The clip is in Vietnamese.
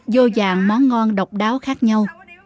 vô dạng món ngon độc đáo khác nhau